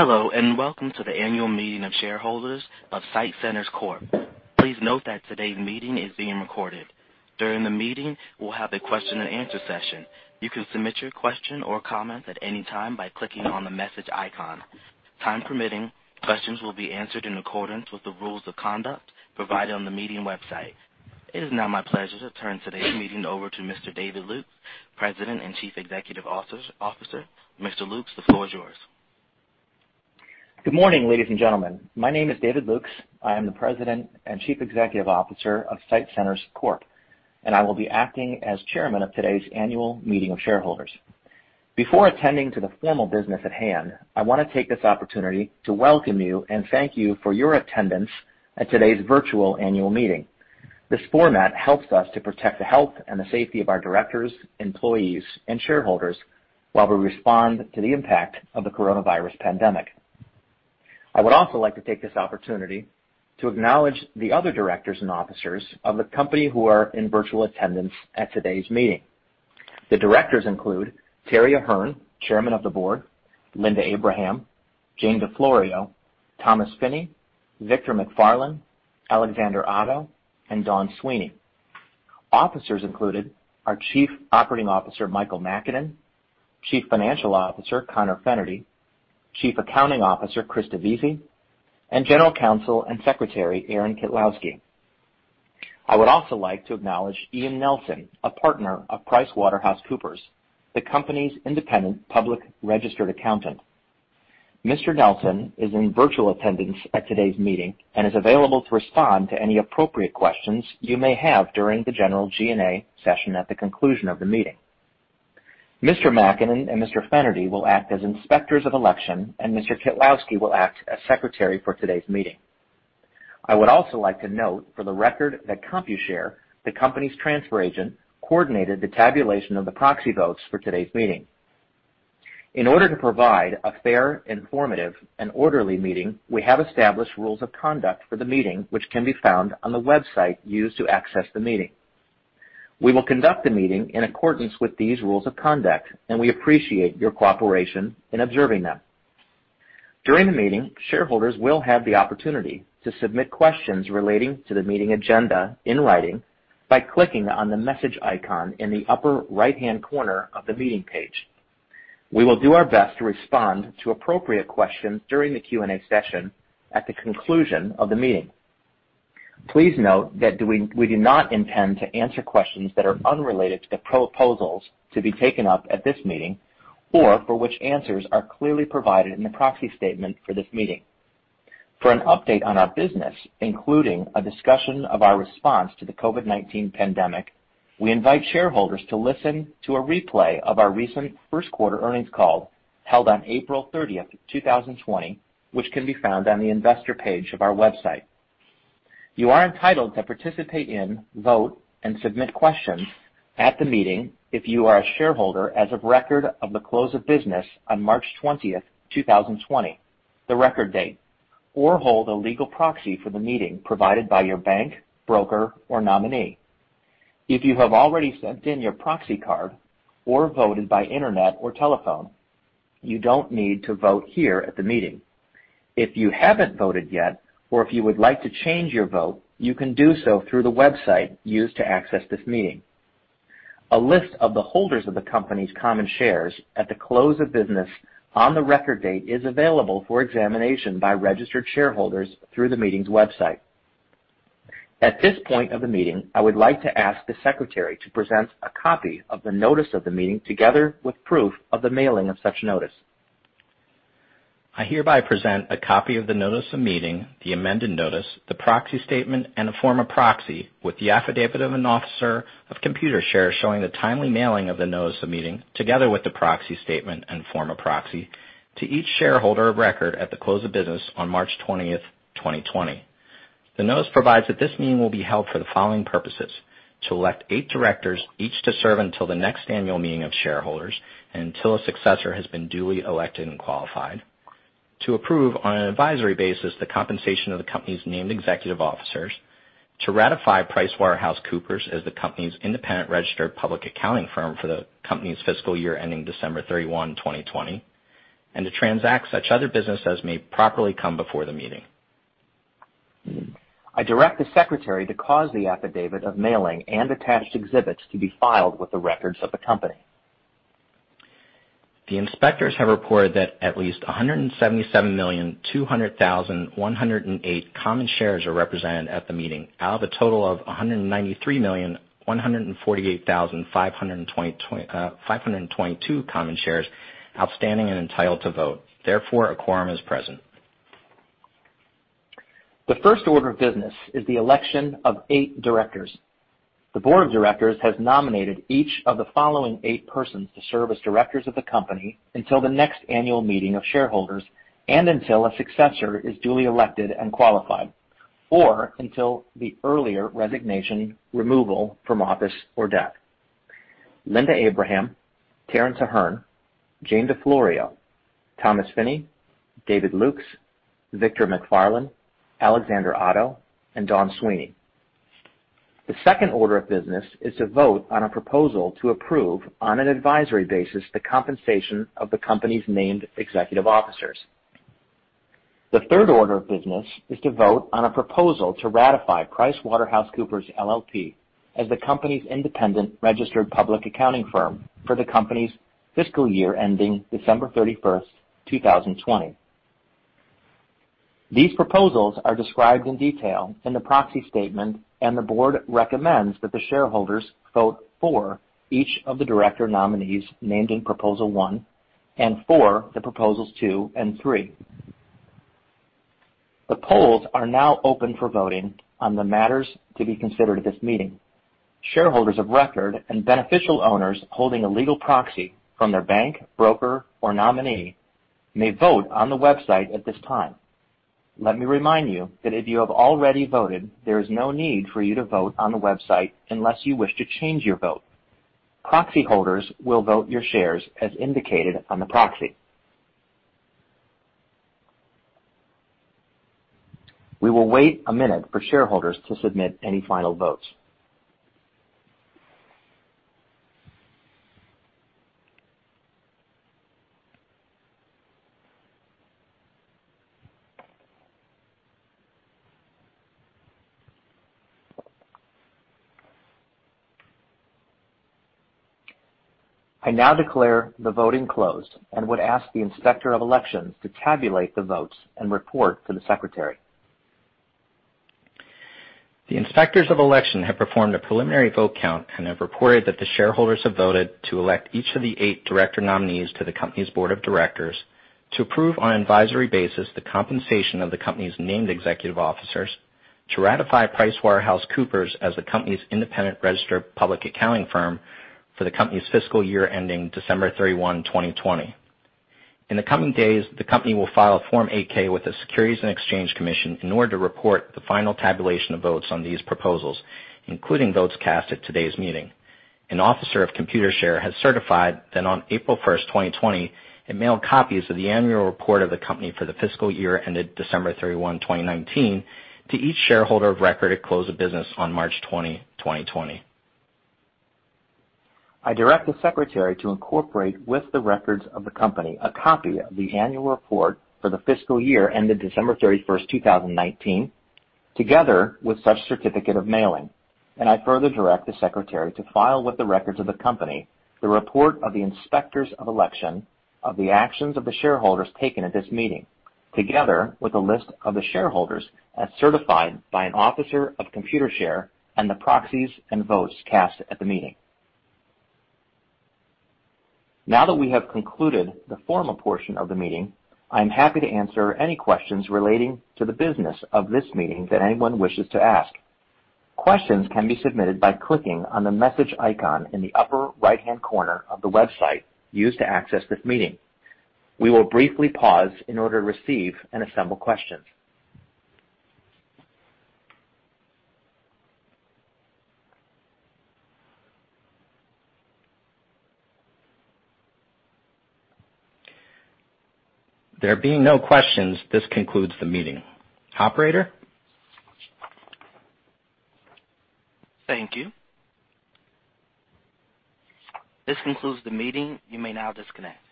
Hello, Welcome to the annual meeting of shareholders of SITE Centers Corp. Please note that today's meeting is being recorded. During the meeting, we'll have a question and answer session. You can submit your question or comments at any time by clicking on the message icon. Time permitting, questions will be answered in accordance with the rules of conduct provided on the meeting website. It is now my pleasure to turn today's meeting over to Mr. David Lukes, President and Chief Executive Officer. Mr. Lukes, the floor is yours. Good morning, ladies and gentlemen. My name is David Lukes. I am the President and Chief Executive Officer of SITE Centers Corp., and I will be acting as Chairman of today's annual meeting of shareholders. Before attending to the formal business at hand, I want to take this opportunity to welcome you and thank you for your attendance at today's virtual annual meeting. This format helps us to protect the health and the safety of our directors, employees, and shareholders while we respond to the impact of the coronavirus pandemic. I would also like to take this opportunity to acknowledge the other directors and officers of the company who are in virtual attendance at today's meeting. The directors include Terrance Ahern, Chairman of the Board, Linda Abraham, Jane DeFlorio, Thomas Finne, Victor MacFarlane, Alexander Otto, and Dawn Sweeney. Officers included are Chief Operating Officer Michael Makinen, Chief Financial Officer Conor Fennerty, Chief Accounting Officer Christa Vesy, and General Counsel and Secretary Aaron Kitlowski. I would also like to acknowledge Ian Nelson, a partner of PricewaterhouseCoopers, the company's independent public registered accountant. Mr. Nelson is in virtual attendance at today's meeting and is available to respond to any appropriate questions you may have during the general Q&A session at the conclusion of the meeting. Mr. Makinen and Mr. Fennerty will act as inspectors of election, and Mr. Kitlowski will act as secretary for today's meeting. I would also like to note for the record that Computershare, the company's transfer agent, coordinated the tabulation of the proxy votes for today's meeting. In order to provide a fair, informative, and orderly meeting, we have established rules of conduct for the meeting, which can be found on the website used to access the meeting. We will conduct the meeting in accordance with these rules of conduct, and we appreciate your cooperation in observing them. During the meeting, shareholders will have the opportunity to submit questions relating to the meeting agenda in writing by clicking on the message icon in the upper right-hand corner of the meeting page. We will do our best to respond to appropriate questions during the Q&A session at the conclusion of the meeting. Please note that we do not intend to answer questions that are unrelated to the proposals to be taken up at this meeting or for which answers are clearly provided in the proxy statement for this meeting. For an update on our business, including a discussion of our response to the COVID-19 pandemic, we invite shareholders to listen to a replay of our recent first-quarter earnings call held on April 30th, 2020, which can be found on the investor page of our website. You are entitled to participate in, vote, and submit questions at the meeting if you are a shareholder as of record of the close of business on March 20th, 2020, the record date, or hold a legal proxy for the meeting provided by your bank, broker, or nominee. If you have already sent in your proxy card or voted by internet or telephone, you don't need to vote here at the meeting. If you haven't voted yet or if you would like to change your vote, you can do so through the website used to access this meeting. A list of the holders of the company's common shares at the close of business on the record date is available for examination by registered shareholders through the meeting's website. At this point of the meeting, I would like to ask the secretary to present a copy of the notice of the meeting, together with proof of the mailing of such notice. I hereby present a copy of the notice of meeting, the amended notice, the proxy statement, and a form of proxy with the affidavit of an officer of Computershare showing the timely mailing of the notice of meeting, together with the proxy statement and form of proxy to each shareholder of record at the close of business on March 20th, 2020. The notice provides that this meeting will be held for the following purposes: to elect eight directors, each to serve until the next annual meeting of shareholders and until a successor has been duly elected and qualified; to approve, on an advisory basis, the compensation of the company's named executive officers; to ratify PricewaterhouseCoopers as the company's independent registered public accounting firm for the company's fiscal year ending December 31, 2020; and to transact such other business as may properly come before the meeting. I direct the secretary to cause the affidavit of mailing and attached exhibits to be filed with the records of the company. The inspectors have reported that at least 177,200,108 common shares are represented at the meeting out of a total of 193,148,522 common shares outstanding and entitled to vote. Therefore, a quorum is present. The first order of business is the election of 8 directors. The board of directors has nominated each of the following 8 persons to serve as directors of the company until the next annual meeting of shareholders and until a successor is duly elected and qualified, or until the earlier resignation, removal from office, or death. Linda Abraham, Terrance Ahern, Jane DeFlorio, Thomas Finne, David Lukes, Victor MacFarlane, Alexander Otto, and Dawn Sweeney. The second order of business is to vote on a proposal to approve, on an advisory basis, the compensation of the company's named executive officers. The third order of business is to vote on a proposal to ratify PricewaterhouseCoopers LLP as the company's independent registered public accounting firm for the company's fiscal year ending December 31st, 2020. These proposals are described in detail in the proxy statement, and the board recommends that the shareholders vote for each of the director nominees named in proposal one and for the proposals two and three. The polls are now open for voting on the matters to be considered at this meeting. Shareholders of record and beneficial owners holding a legal proxy from their bank, broker, or nominee may vote on the website at this time. Let me remind you that if you have already voted, there is no need for you to vote on the website unless you wish to change your vote. Proxy holders will vote your shares as indicated on the proxy. We will wait a minute for shareholders to submit any final votes. I now declare the voting closed and would ask the Inspector of Elections to tabulate the votes and report to the Secretary. The Inspectors of Election have performed a preliminary vote count and have reported that the shareholders have voted to elect each of the eight director nominees to the company's board of directors to approve on advisory basis the compensation of the company's named executive officers to ratify PricewaterhouseCoopers as the company's independent registered public accounting firm for the company's fiscal year ending December 31, 2020. In the coming days, the company will file Form 8-K with the Securities and Exchange Commission in order to report the final tabulation of votes on these proposals, including votes cast at today's meeting. An officer of Computershare has certified that on April 1st, 2020, it mailed copies of the annual report of the company for the fiscal year ended December 31, 2019, to each shareholder of record at close of business on March 20, 2020. I direct the Secretary to incorporate with the records of the company a copy of the annual report for the fiscal year ended December 31st, 2019, together with such certificate of mailing, and I further direct the Secretary to file with the records of the company the report of the Inspectors of Election of the actions of the shareholders taken at this meeting, together with a list of the shareholders as certified by an officer of Computershare and the proxies and votes cast at the meeting. Now that we have concluded the formal portion of the meeting, I am happy to answer any questions relating to the business of this meeting that anyone wishes to ask. Questions can be submitted by clicking on the message icon in the upper right-hand corner of the website used to access this meeting. We will briefly pause in order to receive and assemble questions. There being no questions, this concludes the meeting. Operator? Thank you. This concludes the meeting. You may now disconnect.